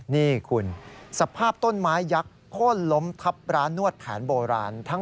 นี่คุณสภาพต้นไม้ยักษ์โค้นล้มทับร้านนวดแผนโบราณ